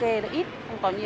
còn người ta ăn gà chống